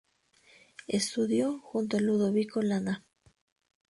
Estudió junto a Ludovico Lana.